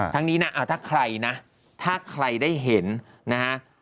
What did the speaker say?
นี้นะถ้าใครนะถ้าใครได้เห็นนะฮะ